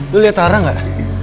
lo liat rara gak